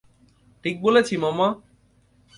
ঠিক বলছি মামা?